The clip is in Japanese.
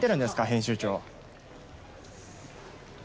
編集長。